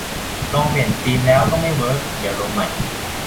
ลองเปลี่ยนธีมแล้วก็ไม่เวิร์ก เดี๋ยวลงใหม่